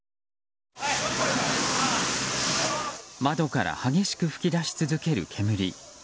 窓から激しく噴き出し続ける煙。